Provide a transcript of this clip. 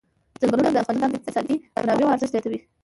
ځنګلونه د افغانستان د اقتصادي منابعو ارزښت زیاتوي.